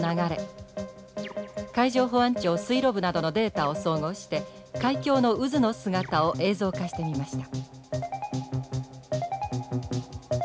海上保安庁水路部などのデータを総合して海峡の渦の姿を映像化してみました。